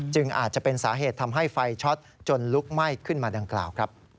อาจจะเป็นสาเหตุทำให้ไฟช็อตจนลุกไหม้ขึ้นมาดังกล่าว